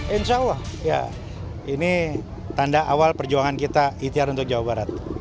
insya allah ya ini tanda awal perjuangan kita ikhtiar untuk jawa barat